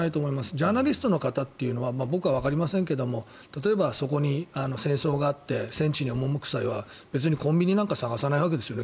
ジャーナリストの方というのは僕はわかりませんけど例えば、そこに戦争があって戦地に赴く際は別にコンビニなんか探さないわけですよね。